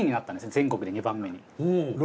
全国で２番目に。